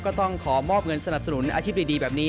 ก็ต้องขอมอบเงินสนับสนุนอาชีพดีแบบนี้